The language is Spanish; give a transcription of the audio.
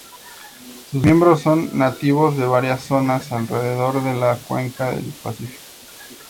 Sus miembros son nativos de varias zonas alrededor de la Cuenca del Pacífico.